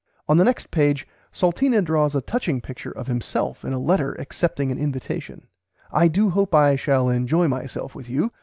On the next page Salteena draws a touching picture of himself in a letter accepting an invitation: "I do hope I shall enjoy myself with you.